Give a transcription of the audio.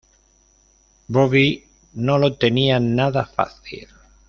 Bobby no lo tenía nada fácil.